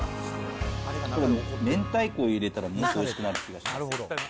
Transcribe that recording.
これ、明太子入れたら、もっとおいしくなる気がします。